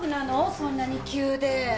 そんなに急で。